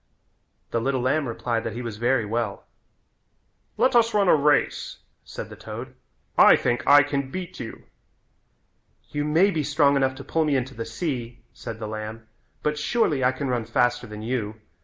The little lamb replied that he was very well. "Let us run a race," said the toad, "I think I can beat you." "You may be strong enough to pull me into the sea," said the lamb, "but surely I can run faster than you.